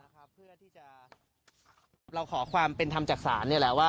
เพื่อที่จะขอความเป็นทำจักษาร